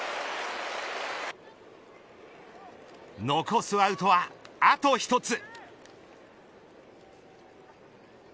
残すアウトはあと１つ。